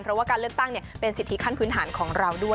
เพราะว่าการเลือกตั้งเป็นสิทธิขั้นพื้นฐานของเราด้วย